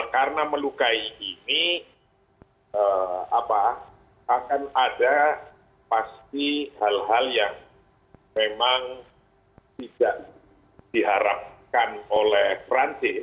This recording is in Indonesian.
karena melukai ini akan ada pasti hal hal yang memang tidak diharapkan oleh perancis